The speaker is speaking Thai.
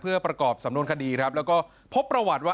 เพื่อประกอบสำนวนคดีครับแล้วก็พบประวัติว่า